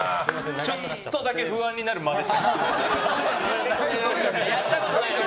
ちょっとだけ不安になる間でしたけどね。